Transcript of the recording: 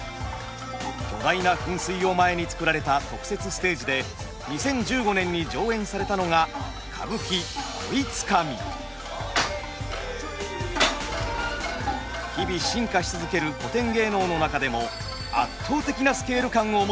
巨大な噴水を前に作られた特設ステージで２０１５年に上演されたのが日々進化し続ける古典芸能の中でも圧倒的なスケール感を持つ演目。